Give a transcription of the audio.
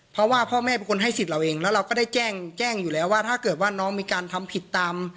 เพราะว่าพ่อแม่เป็นคนให้สิทธิ์เราเองแล้วเราก็ได้แจ้งอยู่แล้วว่าถ้าเกิดว่าน้องมีการทำผิดตาม